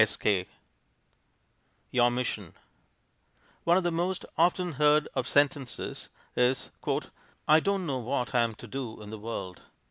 _ YOUR MISSION One of the most often heard of sentences is "I don't know what I'm to do in the world."